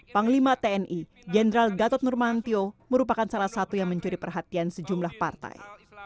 panglima tni jenderal gatot nurmantio merupakan salah satu yang mencuri perhatian sejumlah partai